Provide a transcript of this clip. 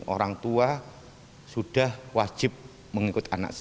orang tua sudah wajib mengikut anak